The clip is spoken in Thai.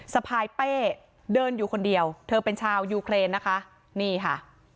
สะพายเป้เดินอยู่คนเดียวเธอเป็นชาวยูเครนนะคะนี่ค่ะ